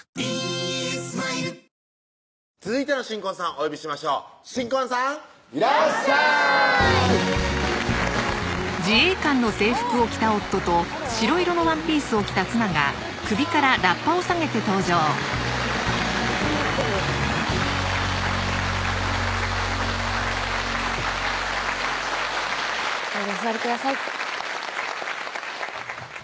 お呼びしましょう新婚さんいらっしゃいどうぞお座りください